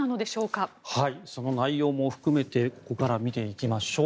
その内容も含めてここから見ていきましょう。